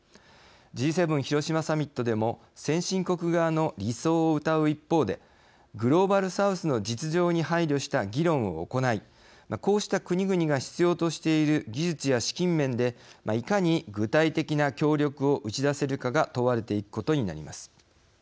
Ｇ７広島サミットでも先進国側の理想をうたう一方でグローバル・サウスの実情に配慮した議論を行いこうした国々が必要としている技術や資金面でいかに具体的な協力を打ち出せるかが問われていくことになります。